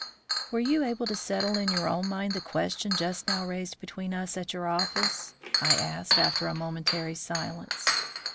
"Were you able to settle in your own mind the question just now raised between us at your office?" I asked, after a momentary silence.